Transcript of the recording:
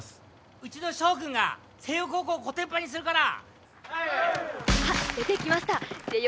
うちの翔くんが星葉高校をこてんぱんにするからあっ出てきました星葉